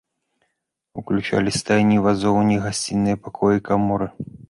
Уключалі стайні, вазоўні, гасціныя пакоі, каморы.